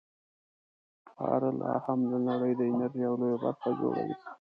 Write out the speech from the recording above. سکاره لا هم د نړۍ د انرژۍ یوه لویه برخه جوړوي.